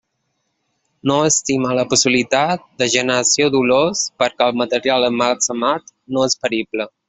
No estima la possibilitat de generació d'olors perquè el material emmagatzemat no és perible.